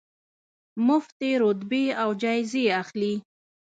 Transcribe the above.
مفتې رتبې او جایزې اخلي.